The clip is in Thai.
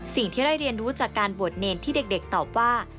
สิ่งที่ได้เรียนรู้จากการบวชเนรที่เด็กตอบว่า